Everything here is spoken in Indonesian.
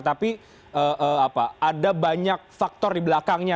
tapi ada banyak faktor di belakangnya